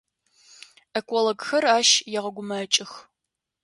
Экологхэр ащ егъэгумэкӏых.